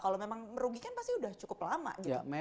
kalau memang merugi kan pasti sudah cukup lama gitu